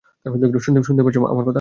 শুনতে পারছ আমার কথা?